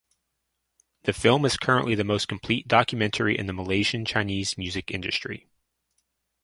The film is currently the most complete documentary in the Malaysian Chinese music industry.